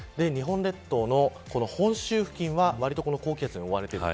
日本列島の本州付近は割とこの高気圧に覆われている。